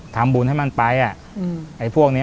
ทำบุญให้มันไปไอ้พวกนี้